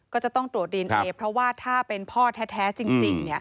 ก็จะต้องตรวจดีเอนเอเพราะว่าถ้าเป็นพ่อแท้จริง